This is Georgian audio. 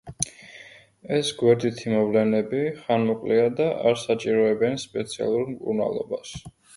ეს გვერდითი მოვლენები ხანმოკლეა და არ საჭიროებენ სპეციალურ მკურნალობას.